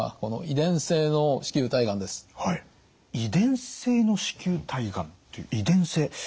遺伝性の子宮体がんっていう遺伝性